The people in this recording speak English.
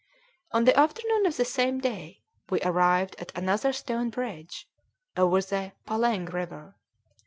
On the afternoon of the same day we arrived at another stone bridge, over the Paleng River.